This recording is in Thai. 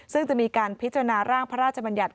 ซึ่งจะมีการพิจารณาร่างพระราชบัญญัติ